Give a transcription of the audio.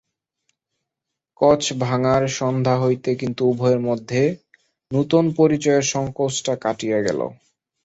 কঁচ ভাঙার সন্ধ্যা হইতে কিন্তু উভয়ের মধ্যে নূতন পরিচযেব সংকোচটা কাটিয়া গেল।